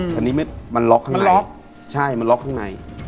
คราวนี้มันล็อกข้างในล็อกใช่มันล็อกข้างใน